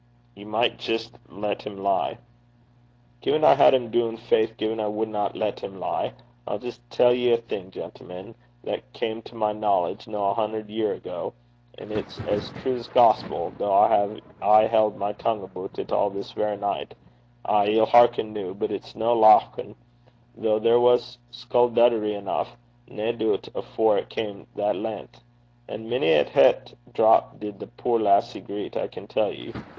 'Ye micht jist lat him lie.' 'Gin I had him doon, faith gin I wadna lat him lie! I'll jist tell ye ae thing, gentlemen, that cam' to my knowledge no a hunner year ago. An' it's a' as true 's gospel, though I hae aye held my tongue aboot it till this verra nicht. Ay! ye'll a' hearken noo; but it's no lauchin', though there was sculduddery eneuch, nae doobt, afore it cam' that len'th. And mony a het drap did the puir lassie greet, I can tell ye.